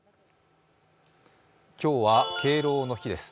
今日は敬老の日です。